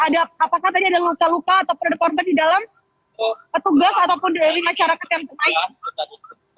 apakah tadi ada luka luka ataupun ada korban di dalam petugas ataupun dari masyarakat yang bermain